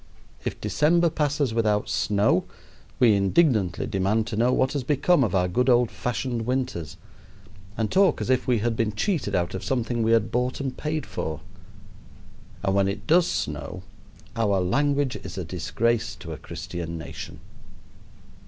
If December passes without snow, we indignantly demand to know what has become of our good old fashioned winters, and talk as if we had been cheated out of something we had bought and paid for; and when it does snow, our language is a disgrace to a Christian nation.